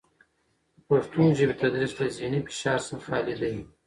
د پښتو ژبې تدریس له زهني فشار څخه خالي دی.